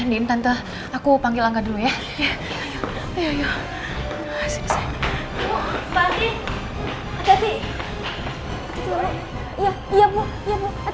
ini tante aku panggil angga dulu ya